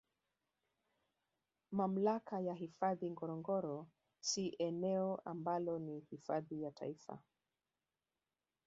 Mamlaka ya hifadhi Ngorongoro si eneo ambalo ni hifadhi ya Taifa